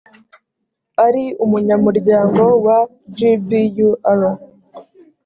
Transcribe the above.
ari umunyamuryango wa gbur